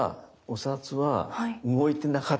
お札は動いてない？